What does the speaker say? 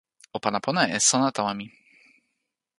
o pana pona e sona tawa mi